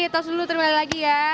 tos dulu terima kasih ya